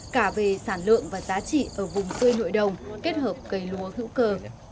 cả về sản lượng và giá trị ở vùng xuôi nội đồng kết hợp cây núa hữu cơ